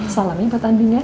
salamin pak andin ya